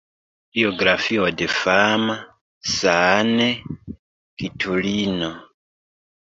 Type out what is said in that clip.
Biografio de fama sanktulino.